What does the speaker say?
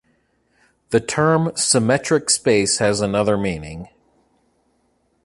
The term "symmetric space" has another meaning.